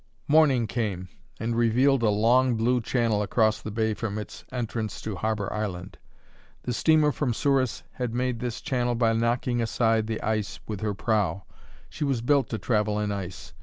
Morning came, and revealed a long blue channel across the bay from its entrance to Harbour Island. The steamer from Souris had made this channel by knocking aside the light ice with her prow. She was built to travel in ice.